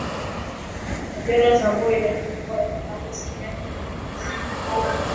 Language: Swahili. kwa jora za nguo Idadi kubwa ya wakazi asilimia themanini na saba